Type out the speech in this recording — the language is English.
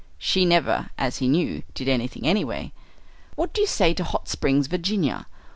_" (She never, as he knew, did anything, anyway.) "What do you say to Hot Springs, Virginia?